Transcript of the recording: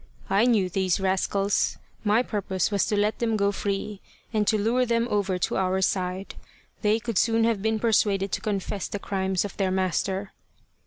" I knew these rascals. My purpose was to let them go free, and to lure them over to our side : they could soon have been persuaded to confess the crimes of their master."